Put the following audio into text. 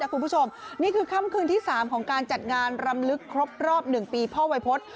คุณผู้ชมนี่คือค่ำคืนที่๓ของการจัดงานรำลึกครบรอบ๑ปีพ่อวัยพฤษ